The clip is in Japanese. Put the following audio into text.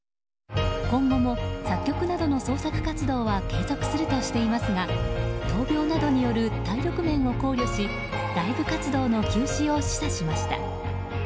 今後も作曲などの創作活動は継続するとしていますが闘病などによる体力面を考慮しライブ活動の休止を示唆しました。